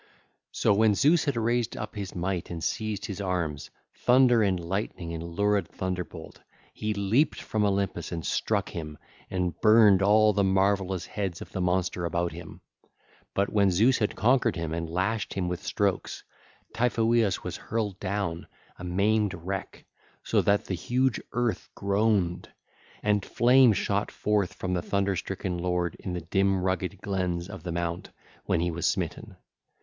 So when Zeus had raised up his might and seized his arms, thunder and lightning and lurid thunderbolt, he leaped from Olympus and struck him, and burned all the marvellous heads of the monster about him. But when Zeus had conquered him and lashed him with strokes, Typhoeus was hurled down, a maimed wreck, so that the huge earth groaned. And flame shot forth from the thunder stricken lord in the dim rugged glens of the mount 1626, when he was smitten.